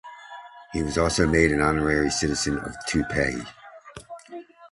He was also made an honorary citizen of Taipei.